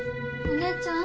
お姉ちゃん！